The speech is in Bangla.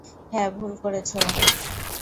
হ্যাঁ, ভুল করেছো।